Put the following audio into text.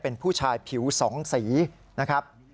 เป็นผู้ชายผิวสองสีนะครับ